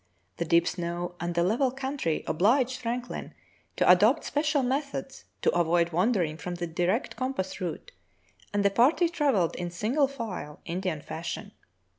The deep snow and the level country obliged Franklin to adopt special methods to avoid wandering from the direct compass route, and the party travelled in single file, Indian fashion.